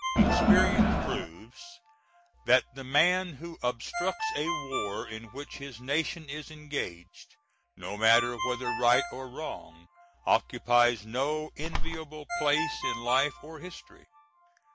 Experience proves that the man who obstructs a war in which his nation is engaged, no matter whether right or wrong, occupies no enviable place in life or history.